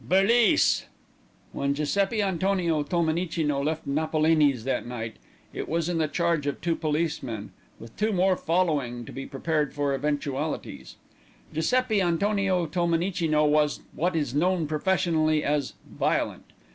"Berlice!" When Giuseppi Antonio Tolmenicino left Napolini's that evening, it was in the charge of two policemen, with two more following to be prepared for eventualities. Giuseppi Antonio Tolmenicino was what is known professionally as "violent."